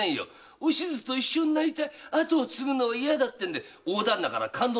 「おしずと一緒になりたい」「跡を継ぐのは嫌だ」ってんで大旦那から勘当になっちまって。